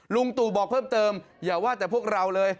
ลุงตู่บอกเพิ่มเติมอย่าว่าแต่พวกเราเลย